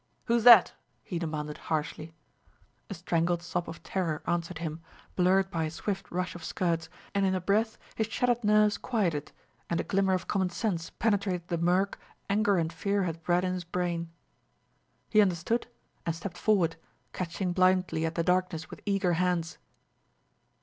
"Who's that?" he demanded harshly. A strangled sob of terror answered him, blurred by a swift rush of skirts, and in a breath his shattered nerves quieted and a glimmer of common sense penetrated the murk anger and fear had bred in his brain. He understood, and stepped forward, catching blindly at the darkness with eager hands.